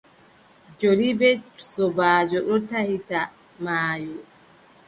Joli bee sobaajo ɗon tahita maayo.